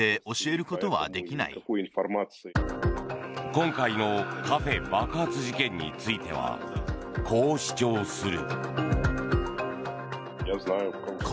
今回のカフェ爆発事件についてはこう主張する。